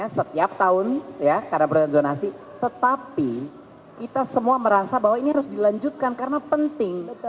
setiap tahun ya karena proses zonasi tetapi kita semua merasa bahwa ini harus dilanjutkan karena penting